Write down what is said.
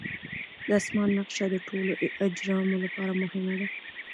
د اسمان نقشه د ټولو اجرامو لپاره مهمه ده.